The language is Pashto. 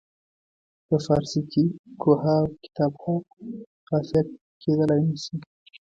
په فارسي کې کوه ها او کتاب ها قافیه کیدلای نه شي.